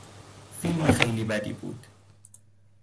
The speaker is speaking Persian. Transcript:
فیلم خیلی بدی بود